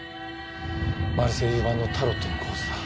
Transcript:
マルセイユ版のタロットの構図だ。